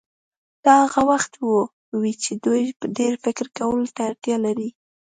دا هغه وخت وي چې دوی ډېر فکر کولو ته اړتیا لري.